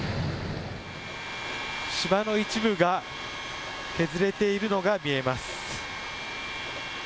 島の一部が削れているのが見えます。